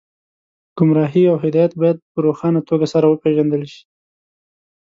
ګمراهي او هدایت باید په روښانه توګه سره وپېژندل شي